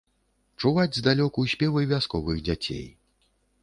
Чуваць здалёку спевы вясковых дзяцей.